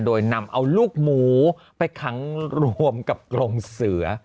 โดยนำเอาลูกหมูไปขังรวมกับกรงเสือ